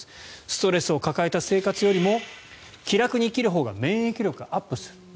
ストレスを抱えた生活よりも気楽に生きるほうが免疫力がアップする。